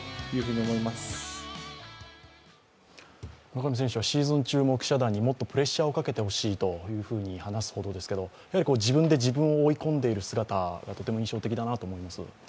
村上選手はシーズン中も記者団にもっとプレッシャーをかけてほしいと話すほどですけど自分で自分を追い込んでいる姿がとても印象的だなと思います。